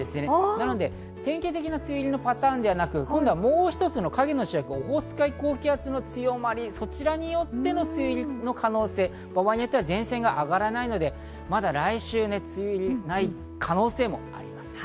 なので典型的な梅雨入りのパターンではなく、もう一つの影の主役、オホーツク海高気圧が強まり、そちらによっての梅雨入りの可能性、場合によっては前線が上がらないので、まだ来週梅雨入りはない可能性もあります。